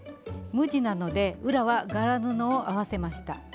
無地なので裏は柄布を合わせました。